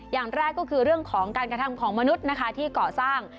อย่างแรกก็คือเรื่องของการกระทำของมนุษย์นะคะที่ก่อสร้าง